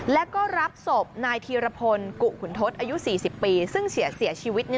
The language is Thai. แล้วก็รับศพนายธีรพลกุขุนทศอายุ๔๐ปีซึ่งเสียชีวิต